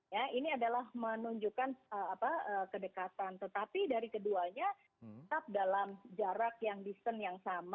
ya ini adalah menunjukkan kedekatan tetapi dari keduanya tetap dalam jarak yang distance yang sama